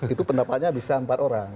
itu pendapatnya bisa empat orang